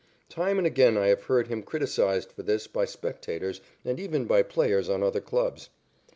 Time and again I have heard him criticised for this by spectators and even by players on other clubs.